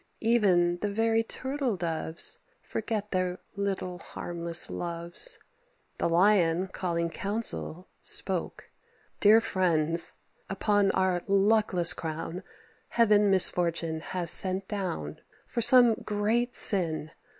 Even the very Turtle doves Forget their little harmless loves. The Lion, calling counsel, spoke "Dear friends, upon our luckless crown Heaven misfortune has sent down, For some great sin.